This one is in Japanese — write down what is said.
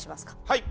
はい。